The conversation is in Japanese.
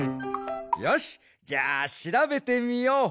よしじゃあしらべてみよう！